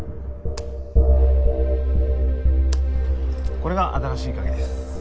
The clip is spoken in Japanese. これが新しい鍵です。